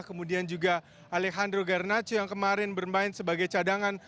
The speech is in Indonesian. kemudian juga alejandro garnaccio yang kemarin bermain sebagai cadangan